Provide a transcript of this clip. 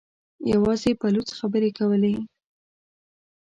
يواځې بلوڅ خبرې کولې.